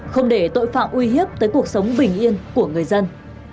không để tội phạm uy hiếp tới cuộc sống bình yên của người dân